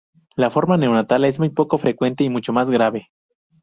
La forma neonatal es muy poco frecuente y mucho más grave.